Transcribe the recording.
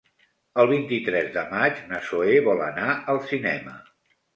El vint-i-tres de maig na Zoè vol anar al cinema.